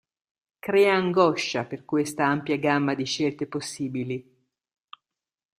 Crea angoscia per questa ampia gamma di scelte possibili.